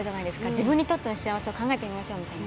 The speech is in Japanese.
自分にとっての幸せを考えてみましょうみたいな。